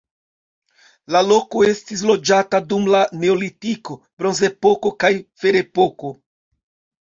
La loko estis loĝata dum la neolitiko, bronzepoko kaj ferepoko.